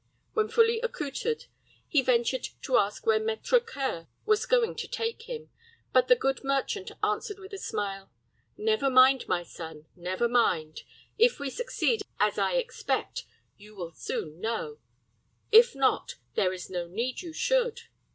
When fully accoutered, he ventured to ask where Maître C[oe]ur was going to take him; but the good merchant answered with a smile, "Never mind, my son, never mind. If we succeed as I expect, you will soon know; if not, there is no need you should.